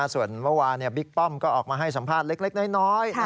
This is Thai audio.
ส่วนเมื่อวานบิ๊กป้อมก็ออกมาให้สัมภาษณ์เล็กน้อย